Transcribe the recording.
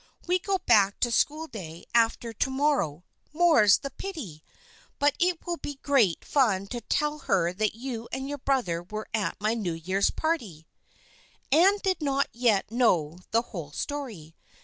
We go back to school day after to morrow, more's the pity ! But it will be great fun to tell her that you and your brother were at my New Year's party." Anne did not yet know the whole story.